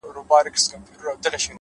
نوم مي د ليلا په لاس کي وليدی،